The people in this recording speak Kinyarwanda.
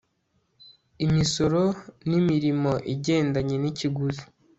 Imisoro nimirimo igendanye nikiguzi